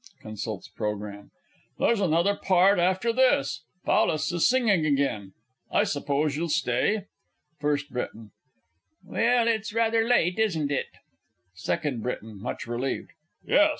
(Consults programme.) There's another Part after this; Paulus is singing again. I suppose you'll stay? FIRST B. Well it's rather late, isn't it? SECOND B. (much relieved). Yes.